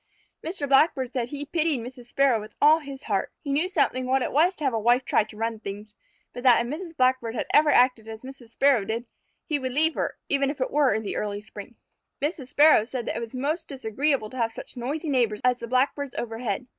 Mr. Blackbird said he pitied Mr. Sparrow with all his heart. He knew something what it was to have a wife try to run things, but that if Mrs. Blackbird had ever acted as Mrs. Sparrow did, he would leave her, even if it were in the early spring. Mr. Sparrow said it was most disagreeable to have such noisy neighbors as the Blackbirds overhead.